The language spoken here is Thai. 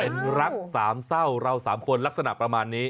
เป็นรักสามเศร้าเราสามคนลักษณะประมาณนี้